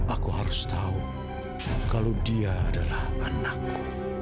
aku harus tahu kalau dia adalah anakku